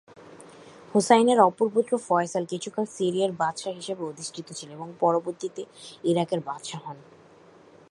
হুসাইনের অপর পুত্র ফয়সাল কিছুকাল সিরিয়ার বাদশাহ হিসেবে অধিষ্ঠিত ছিলেন এবং পরবর্তীতে ইরাকের বাদশাহ হন।